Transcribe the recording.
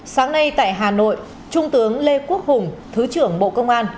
sáng nay tại hà nội trung tướng lê quốc hùng thứ trưởng bộ công an